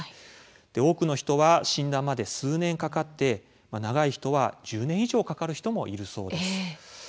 多くの人は診断まで数年かかって長い人は１０年以上かかる人もいるそうです。